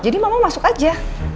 jadi mama masuk aja